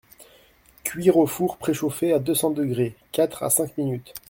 Cuire au four préchauffé à deux-cents degrés, quatre à cinq minutes.